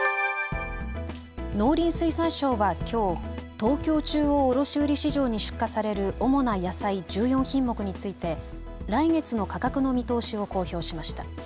農林水産省はきょう東京中央卸売市場に出荷される主な野菜１４品目について来月の価格の見通しを公表しました。